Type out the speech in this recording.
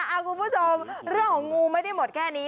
คุณผู้ชมเรื่องของงูไม่ได้หมดแค่นี้